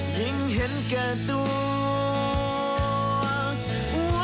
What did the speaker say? ยิ่งเห็นแก่ตัว